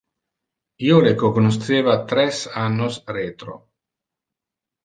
Io le cognosceva tres annos retro.